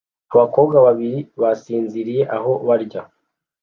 Abakobwa babiri basinziriye aho barya